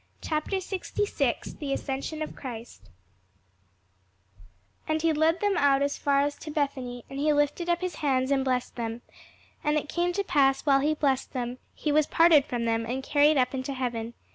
CHAPTER 66 THE ASCENSION OF CHRIST [Sidenote: St. Luke 24] AND he led them out as far as to Bethany, and he lifted up his hands, and blessed them. And it came to pass, while he blessed them, he was parted from them, and carried up into heaven.